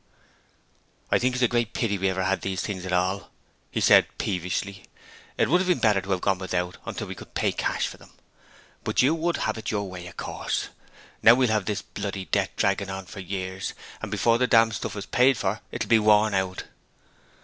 'I think it's a great pity we ever had the things at all,' he said, peevishly. 'It would have been better to have gone without until we could pay cash for them: but you would have your way, of course. Now we'll have this bloody debt dragging on us for years, and before the dam stuff is paid for it'll be worn out.'